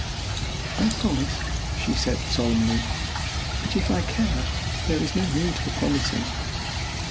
"I promise," she said solemnly; "but if I care there is no need for promising."